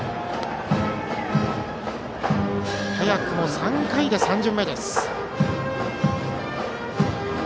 早くも３回で３巡目です。